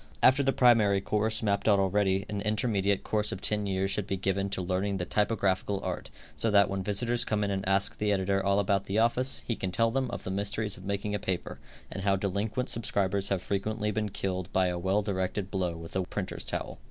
After the primary course, mapped out already, an intermediate course of ten years should be given to learning the typographical art, so that when visitors come in and ask the editor all about the office, he can tell them of the mysteries of making a paper, and how delinquent subscribers have frequently been killed by a well directed blow with a printer's towel.